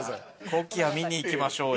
コキア見に行きましょうよ。